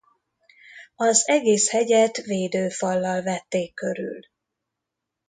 Az egész hegyet védőfallal vették körül.